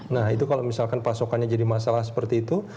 nah itu kalau misalkan pasokannya jadi masalah seperti itu